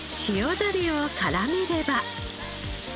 だれを絡めれば。